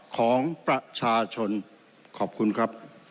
ขอบคุณครับ